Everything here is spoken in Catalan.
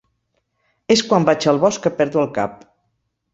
És quan vaig al bosc que perdo el cap.